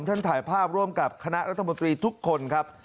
ท่านถ่ายภาพร่วมกับคณะรัฐมนตรีทุกคนครับ